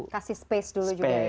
beri ruang dulu